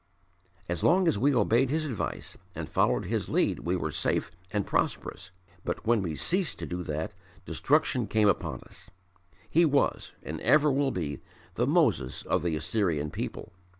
"As long as we obeyed his advice and followed his lead we were safe and prosperous, but when we ceased to do that destruction came upon us. He was, and ever will be, the Moses of the Assyrian people."